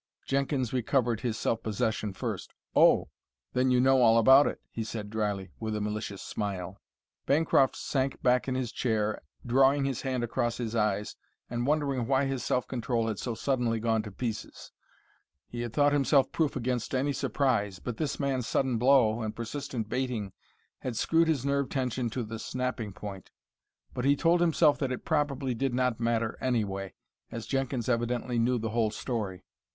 Jenkins recovered his self possession first. "Oh; then you know all about it!" he said dryly, with a malicious smile. Bancroft sank back in his chair drawing his hand across his eyes and wondering why his self control had so suddenly gone to pieces. He had thought himself proof against any surprise, but this man's sudden blow and persistent baiting had screwed his nerve tension to the snapping point. But he told himself that it probably did not matter anyway, as Jenkins evidently knew the whole story.